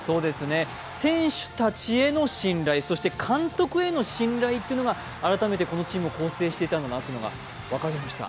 選手たちへの信頼そして監督への信頼というのが改めてこのチームを構成していたのが分かりました。